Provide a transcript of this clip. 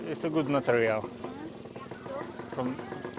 ini material yang bagus